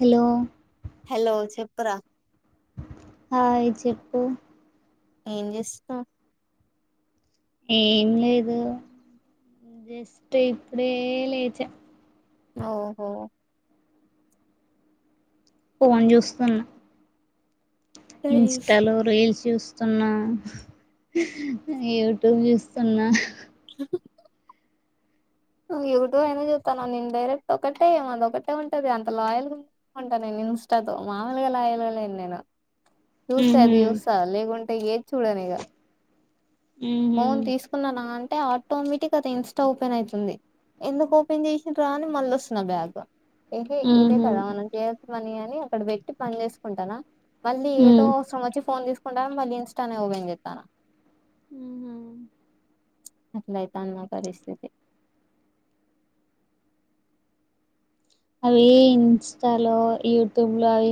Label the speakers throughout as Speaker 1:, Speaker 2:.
Speaker 1: Hello
Speaker 2: hello చెప్ప్రా
Speaker 1: hi చెప్పు
Speaker 2: ఏం చేస్తా
Speaker 1: ఏం లేదు జస్ట్ ఇప్పుడే లేచ
Speaker 2: ఓహో
Speaker 1: ఫోన్ చూస్తున్నా
Speaker 2: నైస్
Speaker 1: ఇన్స్టలో రల్ చూస్తున్నా యూట్యూబ్ చూస్తున్నా
Speaker 2: యూట్యూబ్ అయినా చూస్తాన్నాను నేను డైరెక్ట్ ఒకటే అదొ ఒకటే ఉంటంది అంత లాయల్ గా ఉంటాను నేను ఇన్స్టాతో మామూలుగా లాయల్గా లేను నేను చూస్తా
Speaker 1: ఉహు
Speaker 2: అది చూస్తా లేకుంటే ఏది చూడను ఇక
Speaker 1: ఉహు
Speaker 2: ఫోన్ తీసుకున్నా నా అంటే ఆటోమేటిక్ అది ఇన్స్టా ఓపెన్ అయితుంది ఎందుకు ఓపెన్ చేసిన రా అని మళ్ళ వస్తున్న బ్యాగ్ ఏ ఇదే
Speaker 1: ఉహు
Speaker 2: కదన చే మని అని అక్కడ పెట్టి పని చేసుకుంటానా మళ్ళీ ఏదో
Speaker 1: ఉమ్
Speaker 2: అవసర వచ్చి ఫోన్ తీసుకు మళ ఇస్టానే ఓ వెెతా
Speaker 1: ఉ
Speaker 2: ఎట్లా తాన్మా పరిస్థితి
Speaker 1: అవి ఇంస్టాలో యూట్యూబ్ లో అవి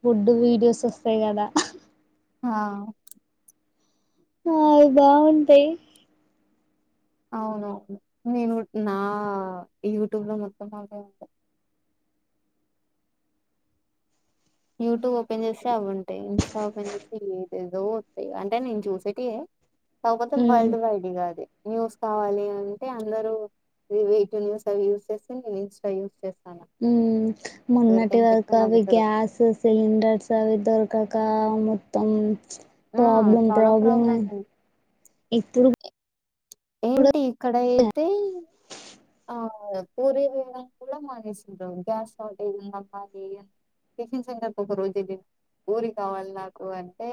Speaker 1: ఫుడ్ వీడియోస్ వస్తాయి కదా
Speaker 2: ఆ
Speaker 1: ఆ అ బాగుంతాయి
Speaker 2: అవునును నేను నా యూట్యూబ్ లో మొత్తం బాగా ఉంటా యూట్యూబ్ ఓపెన్ చేస్తే అవి ఉంటాయి ఇంస్టా ఓపెన్ చేసి ఏదేదో వస్తాయి అంటే నేను చూసేటి కాకపోతే
Speaker 1: ఉమ్
Speaker 2: వరల్డ్ వైడ్గా అది న్యూస్ కావాలి అంటే అందరుూ వెయి టు న్యూస్ అవి యూస్్ చేస్తే నేను ఇన్స్టా యూస్్ చేస్తా
Speaker 1: ఉ మోన్నటి వరకు అవి
Speaker 2: నవ్వుతారు
Speaker 1: గ్యాస్ సిలిండర్డ్స్ అవి దొరకక మొత్తం
Speaker 2: ఆ
Speaker 1: ప్రాబ్లమ్
Speaker 2: చాలా
Speaker 1: ప్రాబ్లమ్
Speaker 2: ప్రోగ్రామ్
Speaker 1: ఇప్పుడు
Speaker 2: ఏంటి ఇక్కడ అయితే ఆ పూరి వేయడానికి కూడా మానేసిారు గ్యాస్ షార్టేజ్ ఉందమ్మాలి టిఫన్ సెంటర్ ఒక రోజు ఊరి కావాలి నాకు అంటే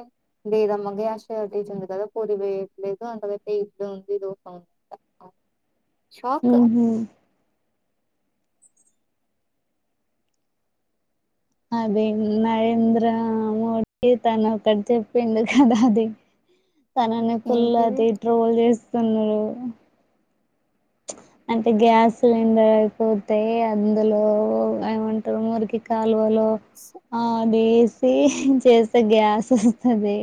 Speaker 2: లేదమ్మా గ్యాస్ షార్టేజ్ ఉంది కదా పూరి వేయట్లేదు అంతకైతే ఇట్ ఉందిో
Speaker 1: ఆహ అద నరేంద్ర మోడీ తను ఒకక్కటి చెప్పింది కదా అది తననే ఫుల్
Speaker 2: ఏంటిది
Speaker 1: అది టడ్రోల్ చేసి జన్నరు అంటే గ్యాస్ సిలిండర్ అయిపోతేా అందులో ఏమంటారు మురికి కా వాళ ేస్ చేస్తే గ్యాస్ వస్తుంది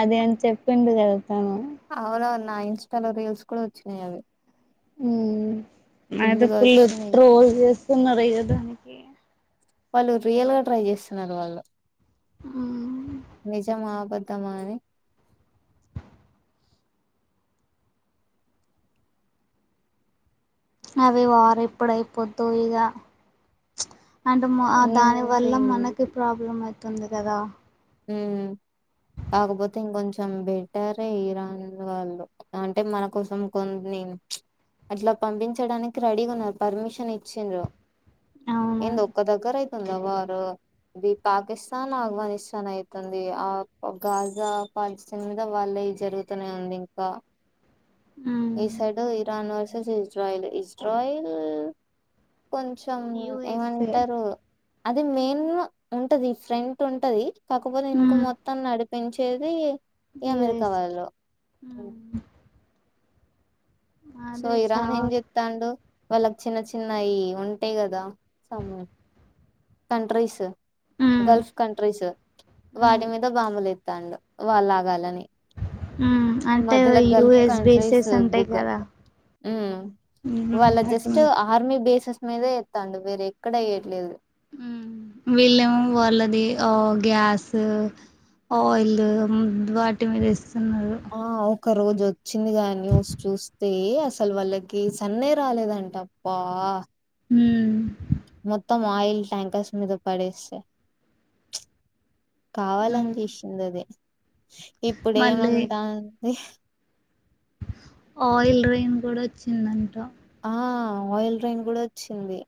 Speaker 1: అది అని చెప్పిండు కలుగుతాను
Speaker 2: అవునవునా ఇన్స్టాలో రీల్స్ కూడా వచ్చినాయి అవి
Speaker 1: ఉ అద
Speaker 2: ఫుల్లుగా
Speaker 1: ఫుల్
Speaker 2: వచ్చినాయి
Speaker 1: రోజ న్నదుానికి
Speaker 2: వాళ్ళు రియల్ గా ట్రై చేస్తున్నారు వాళ్ళు
Speaker 1: ఆ
Speaker 2: బద్దామానే
Speaker 1: అవి వారు ఇప్పుడయిపోద్దుో ఇక అండ్ దాని వల్ల
Speaker 2: ఏంటి
Speaker 1: మనకి ప్రాబ్లం అవు తుంది కదా
Speaker 2: ఉ కాకపోతే ఇంకొంచెం బెటర్ే ఇరాన్ వాళ్ళు అంటే మన కోసం కొన్ని అట్లా పంపించడానికి రెడీగా ఉన్నారు పర్మిషన్ ఇచ్చిండ్రు
Speaker 1: అవును
Speaker 2: ఏం ద ఒక్క దగ్గర అయితే మ అ పాకిస్తన్ అఫ్గనిస్తాన్ చన అవుతుంది ఆ గాజా పల్చన్ మీద వాళ్ళ జరుగుతూనే ఉంది ఇంకా ఈసైడు ఇరాన్ వర్ ఇజ్రాయిల్ ఇజ్రాయిల్ కొంచం
Speaker 1: యుఎస్ఏ
Speaker 2: ఏమంటారు అది మెయిన్ ఉంటది ఫ్రెంట్ ఉంటది కాకపోతే ఇక
Speaker 1: మ్మ్
Speaker 2: మొత్తం నడి పెంచేది ఏ అమెరికా
Speaker 1: యుఎస్ఏ
Speaker 2: వాళ్లో సో
Speaker 1: అదే
Speaker 2: ఇరాన్ ఏం
Speaker 1: చాలా
Speaker 2: జిత్తాండు వాళ్ళకి చిన్న చిన్నవి ఉంటాయి్ కదా స కండ్రైస్
Speaker 1: మ్మ్
Speaker 2: గల్ఫ్ కంట్రీస్
Speaker 1: మ్మ్
Speaker 2: వాటి మీద బామలు డండు వాళ్ళలాగాలని
Speaker 1: అంటే యూఎస్బీసస్ ఉంటాయి కదా
Speaker 2: ఉ వాళ్ళ
Speaker 1: అటు
Speaker 2: జస్ట్ ఆర్మీ ప్లేసెస్ మీద ఎస్తాండి వేర ఎక్కడ వయట్లేదు
Speaker 1: వీళ్ళేమో వాళ్ళది ఆ గ్యాస్ ఆయిల్ వాటి మీద ఇ స్తున్నారు
Speaker 2: ఒక్క రోజు వచ్చిందిగాని
Speaker 1: హమ్
Speaker 2: మొత్తం ఆయిల్ ట్యాంకర్స్ మీద పడేసే ప్చ్ కావాలని
Speaker 1: అవును
Speaker 2: చేసింది
Speaker 1: మళ్ళీ
Speaker 2: ఇప్పుడుమంటంది
Speaker 1: ఆయిల్ రైన్ కూడా వచ్చిందంట
Speaker 2: ఆ ఆయిల్ ర్రైన్ కూడా వచ్చింది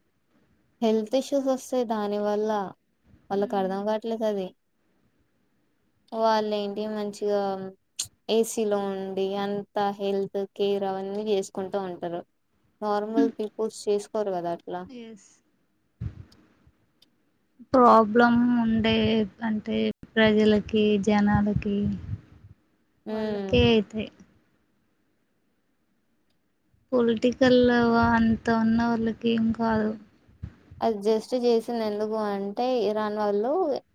Speaker 2: హెల్త్ ఇష్యూస్ వస్తాయి దాని వల్ల వాళ్ళకి
Speaker 1: ఉమ్
Speaker 2: అర్థం కావట్లేదు అది వాళ్ళ ఏంటి మంచిగా ఏసీలో ఉండి అంత హెల్త్ కేర్ అవన్నీ చేసుకుంటూ ఉంటారు నార్మల్ పీపుల్స్ చేసుకోరు కదా అట్లా
Speaker 1: ఎస్ ప్రాబ్లం ఉండే అంటే ప్రజలకి జనాలకి
Speaker 2: ఉమ్
Speaker 1: వాళ్ళకే అయితాయి పొలిటికల్ అంత ఉన్న వాళ్ళకి ఏం కాదు
Speaker 2: అడ్జస్ట్ చేసిన ఎందుకు అంటే ఇరాన్ వాళ్ళు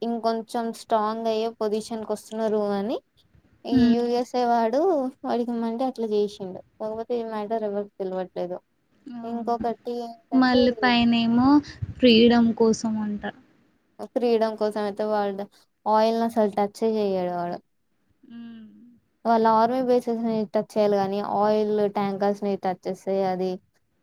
Speaker 2: ఇంకొంచెం స్ట్రాంగ్ అయ్యే పొజిషన్ క వస్తున్నారు అని ఈ
Speaker 1: ఉమ్
Speaker 2: యుఎస్ వా అడు వాడికి ఇమ్మంటే అట్లా చేసిండు కాకపోతే ఏ మ్యాటర్ ఎవరికి తెలివట్లేదు
Speaker 1: అవును మళ్ళీ పనే ఏమో ఫ్రీడమ్ కోసం ఉంటారు
Speaker 2: ఫ్రీడమ్ కోసం అయితే వాళ్ళడు ఆయిల్ ను అసలు టచ్ే చేయడు వాళ్ళ
Speaker 1: ఉ
Speaker 2: వాళ్ళ ఆర్మీ బేసెస్ ని టచ్ చేయాలి కాగానీ ఆయిల్ ట్యాంకర్స్ ని టచ్ చేస్తే అది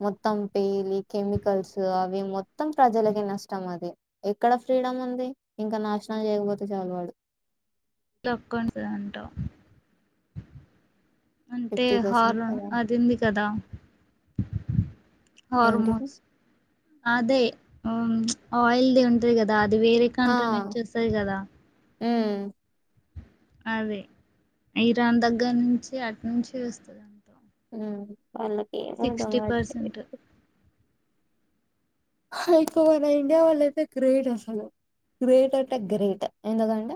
Speaker 2: మొత్తం పీలి కెమికల్స్ అవి మొత్తం ప్రజలకి నష్టం అది ఎక్కడ ఫ్రీడమ్ ఉంది ఇంకా నాశనం చేయకపోతే చాలు వాడు
Speaker 1: ొక్కన్ సంటా అంటే
Speaker 2: ఫిఫ్టీ పర్సెంట్
Speaker 1: హార్
Speaker 2: కదా
Speaker 1: అదింది కదా
Speaker 2: ఏంటిది
Speaker 1: హార్మోస్ అదే ఆయిల్ ద ఉంట్రి కదా అది వేరే కంట్ర నుంచి వస్తుంది కదా
Speaker 2: ఆ
Speaker 1: అదే ఇరాన్ దగ్గర నుంచి అటు నుంచి వస్తుంది అంతో
Speaker 2: అ వాళ్ళకి ఏమి ఉందగ అట్టి
Speaker 1: పర్సెంట్
Speaker 2: ఎకు మన ఇండియా వాళ్ళ అయితే గ్రేట్ అసలు గ్రేట్ అంటే గ్రేట్ ఎందుకంటే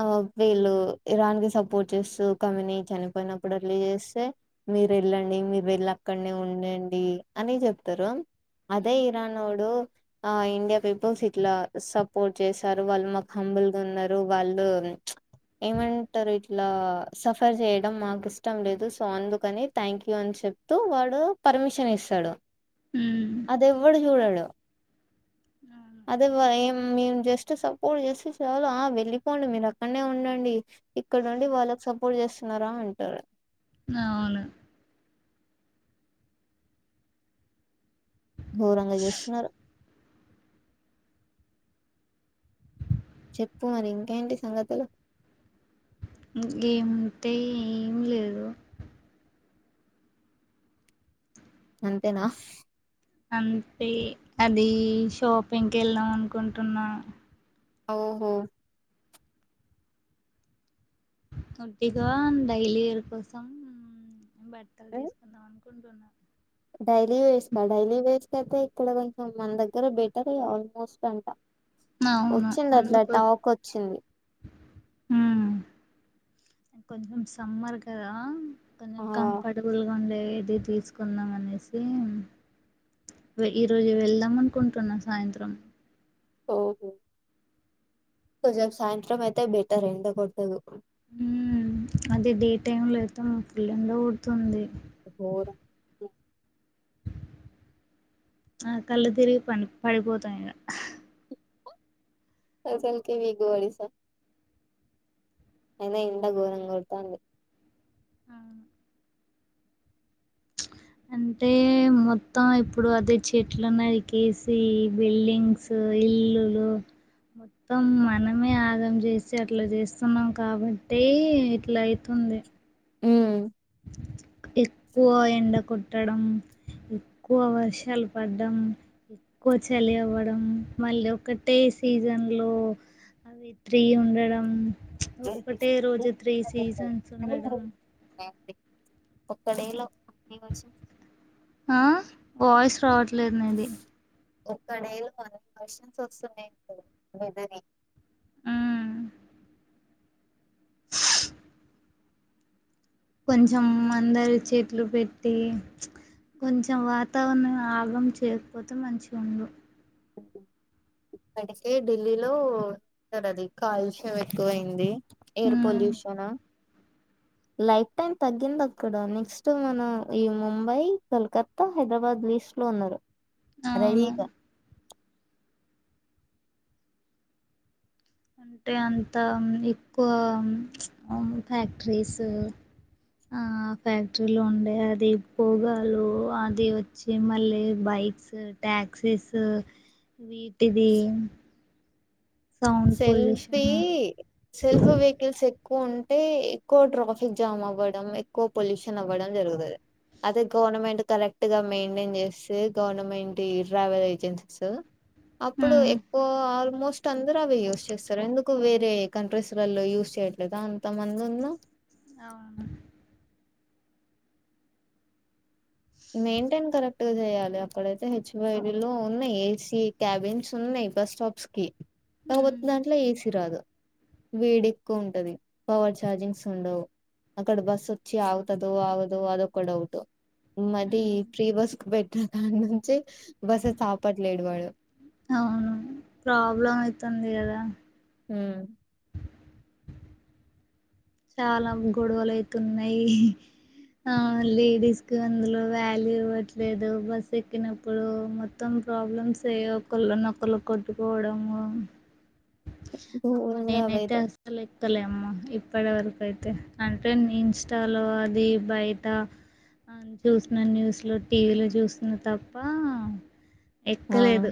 Speaker 2: ఆ వీళ్ళు ఇరాన్ కి సపోర్ట్ చేస్తూ కమనీ చనిపోయినప్పుడు అట్లా చేస్తే మీరు వెళ్ళండి మీరు వెళ్ళి అక్కడనే ఉండండి అని చెప్తారు. అదే ఇరాన్ ఓడు ఆ ఇండియా పీపుల్స్ ఇట్లా సపోర్ట్ చేశారు వాళ్ళు మాకు హంబుల్గా ఉన్నారు వాళ్ళు చమ్ ఏమంటారు ఇట్లా సఫర్ చేయడం మాకు ఇష్టం లేదు. సో అందుకని థ్యాంక్ యూ అని చెప్తూ వాడు పర్మిషన్ ఇస్తాడు. అది ఎవ్వడు చూడడు. అదే వ ఏ మేము జస్ట్ సపోర్ట్ చేసి చాలు ఆ వెళ్ళిపోండి. మీరు అక్కడనే ఉండండి ఇక్కడ ఉండి వాళ్ళకి సపోర్ట్ చేస్తున్నారా అంటారు.
Speaker 1: అవును
Speaker 2: ఘోరంగా చేస్తున్నారు. చెప్పు మరి ఇంకేంటి సంగతులు
Speaker 1: ఇమీ ఉంటాయి ఏమి లేదు.
Speaker 2: అంతేనా అఫ్
Speaker 1: అంతే అది షాపింగ్కి వెళ్ళాం అనుకుంటున్నా
Speaker 2: ఓహో
Speaker 1: అట్టిగా డైలీవేర్ కోసం బట్టలు తీసుకుందాం అనుక్ కొంటున్నా
Speaker 2: డైలీ వేస్కా డైలీ వేస్క అయితే ఇక్కడ కొంచెం మన దగ్గర బెటర్ అ ఆల్మోస్ట్ అంతా
Speaker 1: అవును
Speaker 2: వచ్చింది అట్లా టాక్ వచ్చింది.
Speaker 1: కొంచం సమ్మర్ గదా
Speaker 2: ఆ
Speaker 1: కొంచెం కంఫర్టబుల్ గా ఉండే ఏది తీసుకుందాం అనేసి ఈరోజు వెళ్దాం అనుకుంటున్నా సాయంత్రం
Speaker 2: ఓహో కొంచం సాయంత్రం అయితే బెటర్ ఎండ కొట్టదు.
Speaker 1: మ్ అదే డే టైమ్ లోయితే ఫుల్ ఎండ కొడుతుంది.
Speaker 2: గోరాం
Speaker 1: ఆ కళ్ళు తిరిగి పని పడిపోతా ఇగ హా
Speaker 2: అసలు కె వీక్ గా ఒడిసా అయినా ఎండ ఘోరంగా కొడుతంది.
Speaker 1: అవును అంటే మొత్తం ఇప్పుడు అదే చెట్లు నరికేసి బిల్డింగ్స్ ఇల్లులు మొత్తం మనమే ఆగం చేసి అట్లా చేస్తున్నాం కాబట్టే ఇట్లా అయితుంది.
Speaker 2: ఉమ్
Speaker 1: ఎక్కువ ఎండ కొట్టడం ఎక్కువ వర్షాలు పడ్డం ఎక్కువ చలి అవ్వడం మళ్ళీ ఒకటే సీజన్లో అవి త్రీ ఉండడం. ఒకటే రోజు త్రీ సీజన్స్ ఉండడం.
Speaker 2: ఒక్కడే లో [unintelligible]
Speaker 1: ఆ వాయిస్ రావట్లేదు నీది
Speaker 2: ఒక్కడే లో [unintelligible] వస్తున్నాయి వేథర్వి
Speaker 1: మ్మ్ కొంచెం అందరి చెట్లు పెట్టి చమ్ కొంచెం వాతావరణం ఆగం చేయకపోతే మంచిగా ఉండు
Speaker 2: అందుకే ఢిల్లీలో ఉంటది అది కాలుష్యం ఎక్కువైంది ఎయిర్
Speaker 1: మ్మ్
Speaker 2: పొల్యూషన్ లైఫ్ టైం తగ్గింది. అక్కడ నెక్స్ట్ మన ఈ ముంబై కల్కత్తా హైదరాబాద్ లీస్ట్ లో ఉన్నారు
Speaker 1: అవును
Speaker 2: రెడీగా
Speaker 1: అంటే అంతా ఎక్కువ ఫ్యాక్టరీస్ ఆ ఫ్యాక్టరీలు ఉండే అది పోగలు అది వచ్చి మళ్ళీ బైక్స్ టాక్సీస్ వీటిది. Sound
Speaker 2: selfie
Speaker 1: pollution
Speaker 2: self vehicles ఎక్ ఎక్కువ ఉంటే ఎక్కువ ట్రాఫిక్ జామ్ అవ్వడం ఎక్కువ పొల్యూషన్ అవ్వడం జరుగుతుంది. అదే గవర్నమెంట్ కరెక్ట్గా మెయింటైన్ చేస్తే గవర్నమెంట్ ఈ ట్రావెల్ ఏజెన్సీస్ అప్పుడు
Speaker 1: ఉమ్
Speaker 2: ఎక్కువ ఆల్మోస్ట్ అత్ అవి యూస్ చేస్తారు. ఎందుకు వేరే కంట్రీస్లీలో యూస్ చేయట్లేద అంత మంది ఉన్న
Speaker 1: అవును
Speaker 2: మెయింటైన్ కరెక్ట్ గా చేయాలి అక్కడైయితే హెచ్వై లో ఉన్నాయి ఏసీ క్యాబిన్స్ ఉన్నాయి బస్ స్టాప్స్ కి కాకపోతే
Speaker 1: ఉమ్
Speaker 2: దాంట్లో ఏసీ రాదు వేడి ఎక్కువ ఉంటది పవర్ చార్జింగ్స్ ఉండవు అక్కడ బస్ వచ్చి ఆగుతదో ఆగదో అదొక డౌట్ మదీ
Speaker 1: ఉమ్
Speaker 2: ఫ్రీ బస్ కు పెట్టిన కాడనుంచె బస్సైతె ఆపటలేడు వాడు
Speaker 1: అవును ప్రాబ్లం అయితుంది కదా
Speaker 2: మ్
Speaker 1: చాలా గొడవలు అయితున్నాయి ఆ లేడీస్ కి అందులో వాల్యూ ఇవ్వట్లేదు బస్ ఎక్కినప్పుడు మొత్తం ప్రాబ్లమ్స్ అయి ఒకళ్ళనొకళ్ళు కొట్టుకోవడము అమ్మ
Speaker 2: ఘోరంగా
Speaker 1: నేనైతే
Speaker 2: అవైతే
Speaker 1: అస్సలు తల అమ్మ ఇప్పు ఇప్పడే వరకు అయితే అంటే ఇన్స్టాలో అది బయట చూసిన న్యూస్లో టీవీలు చూస్తున్న తప్ప
Speaker 2: ఆ
Speaker 1: ఎక్కలేదు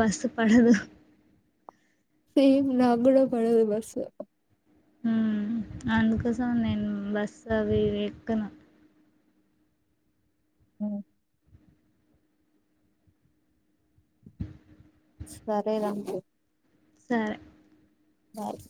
Speaker 1: బస్సు పడుదు
Speaker 2: సేమ్ నా కూడా పడదు బస్
Speaker 1: ఉమ్, అందుకోసం నేను బస్సు అవి ఎక్కను
Speaker 2: మ్ సరే రా
Speaker 1: సరే
Speaker 2: బాయ్